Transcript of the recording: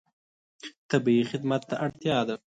طبیعي خدمت ته اړتیا ده.